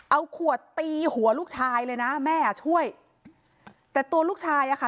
เอาขวดตีหัวลูกชายเลยนะแม่อ่ะช่วยแต่ตัวลูกชายอ่ะค่ะ